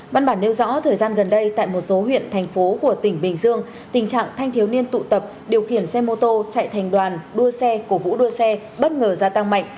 văn bản nêu rõ thời gian gần đây tại một số huyện thành phố của tỉnh bình dương tình trạng thanh thiếu niên tụ tập điều khiển xe mô tô chạy thành đoàn đua xe cổ vũ đua xe bất ngờ gia tăng mạnh